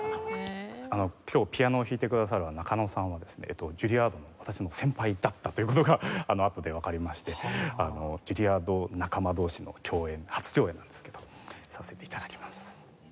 今日ピアノを弾いてくださる中野さんはですねジュリアードの私の先輩だったという事があとでわかりましてジュリアード仲間同士の共演初共演なんですけどさせて頂きます。